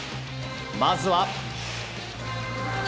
まずは。